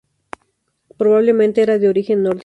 Probablemente era de origen nórdico.